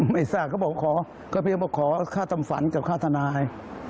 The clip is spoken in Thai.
ไม่ทราบเขาบอกขอข้าวธรรมฝันกับข้าวธนาย